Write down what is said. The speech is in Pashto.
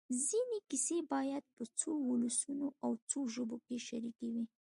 ځينې کیسې بیا په څو ولسونو او څو ژبو کې شریکې وي.